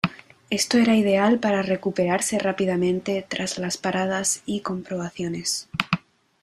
Esto era ideal para recuperarse rápidamente tras las paradas y comprobaciones.